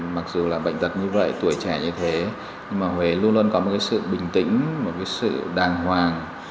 mặc dù là bệnh tật như vậy tuổi trẻ như thế nhưng mà huế luôn luôn có một cái sự bình tĩnh một cái sự đàng hoàng